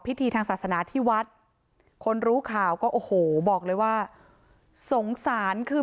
พิธีทางศาสนาที่วัดคนรู้ข่าวก็โอ้โหบอกเลยว่าสงสารคือ